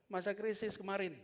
masa krisis kemarin